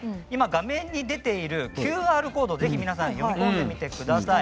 今、画面に出ているＱＲコードをぜひ皆さん読み込んでください。